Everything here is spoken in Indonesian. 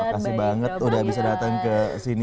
terima kasih banget udah bisa datang ke sini